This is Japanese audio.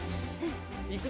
いくぞ。